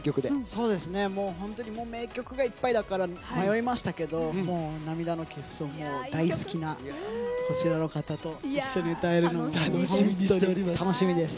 本当に名曲がいっぱいだから迷いましたけど「涙のキッス」を大好きなこちらの方と一緒に歌えるのが楽しみです。